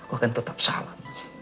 aku akan tetap salah